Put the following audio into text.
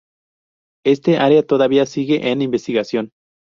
Este área todavía sigue en investigación.